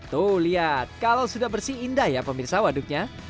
tuh lihat kalau sudah bersih indah ya pemirsa waduknya